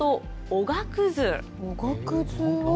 おがくずを？